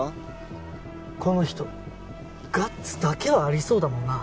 この人ガッツだけはありそうだもんな。